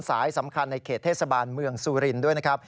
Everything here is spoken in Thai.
สายสำคัญในเขตเทศบาลเมืองสุรินทร์ด้วยนะครับ